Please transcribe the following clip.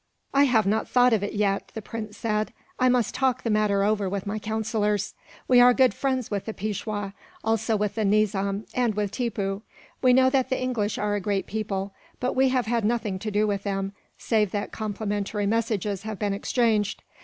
"I have not thought of it, yet," the prince said. "I must talk the matter over with my councillors. We are good friends with the Peishwa, also with the Nizam, and with Tippoo. We know that the English are a great people; but we have had nothing to do with them, save that complimentary messages have been exchanged.